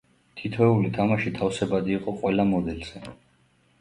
თითოეული თამაში თავსებადი იყო ყველა მოდელზე.